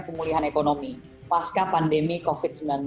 pemulihan ekonomi pasca pandemi covid sembilan belas